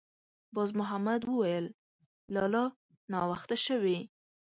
باز محمد ویې ویل: «لالا! ناوخته شوې.»